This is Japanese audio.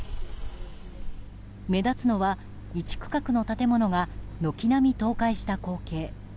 目立つのは１区画の建物が軒並み倒壊した光景。